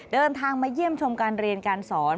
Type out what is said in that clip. เดินทางมาเยี่ยมชมการเรียนการสอน